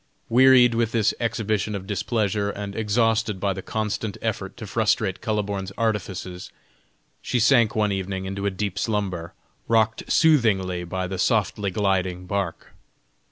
Wearied with this exhibition of displeasure, and exhausted by the constant effort to frustrate Kuhleborn's artifices, she sank one evening into a deep slumber, rocked soothingly by the softly gliding bark.